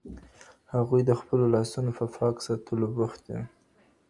هغوی د خپلو لاسونو په پاک ساتلو بوخت دي.